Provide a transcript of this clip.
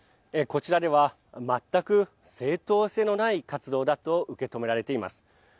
こちらでは全く正当性のない活動だと受け止められています。